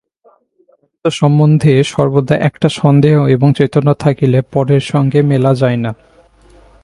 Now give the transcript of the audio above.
আত্মসম্বন্ধে সর্বদা একটা সন্দেহ এবং চেতনা থাকিলে পরের সঙ্গে মেলা যায় না।